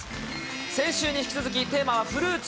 先週に引き続き、テーマはフルーツ。